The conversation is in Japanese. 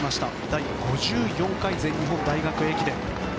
第５４回全日本大学駅伝。